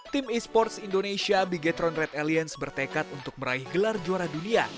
tim e sports indonesia bigetron red aliens bertekad untuk meraih gelar juara dunia